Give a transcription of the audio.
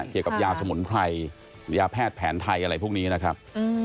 เกี่ยวกับยาสมุนไพรยาแพทย์แผนไทยอะไรพวกนี้นะครับ